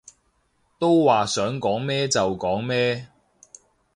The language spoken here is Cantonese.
都話想講咩就講咩